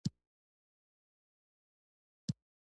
ورک شه له مخې مې!